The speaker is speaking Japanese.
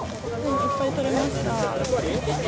いっぱい取れました。